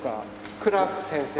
クラーク先生。